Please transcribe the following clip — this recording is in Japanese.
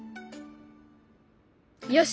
よし！